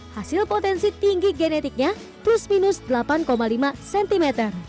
hasil potensi tinggi genetiknya plus minus delapan lima cm